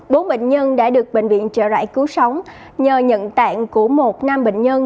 bốn bệnh nhân đã được bệnh viện trợ rẫy cứu sống nhờ nhận tạng của một nam bệnh nhân